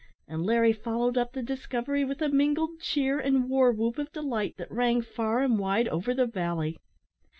and Larry followed up the discovery with a mingled cheer and war whoop of delight that rang far and wide over the valley.